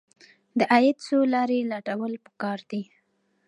د عاید څو لارې لټول پکار دي.